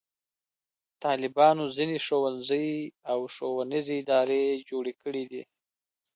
طالبانو ځینې ښوونځي او ښوونیزې ادارې جوړې کړې دي.